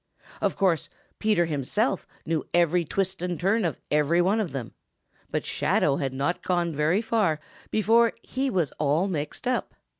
Of course, Peter himself knew every twist and turn of every one of them, but Shadow had not gone very far before he was all mixed up.